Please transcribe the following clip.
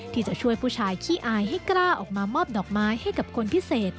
ที่จะช่วยผู้ชายขี้อายให้กล้าออกมามอบดอกไม้ให้กับคนพิเศษ